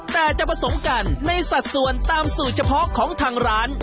แต่จะผสมกันในสัดส่วนตามสูตรเฉพาะของทางร้าน